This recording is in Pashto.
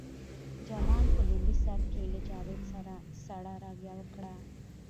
جلان په لومړي سر کې له جاوید سره سړه رویه وکړه